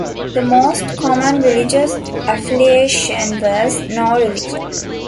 The most common religious affiliation was "no religion".